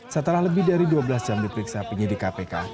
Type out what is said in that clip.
setelah lebih dari dua belas jam diperiksa penyidik kpk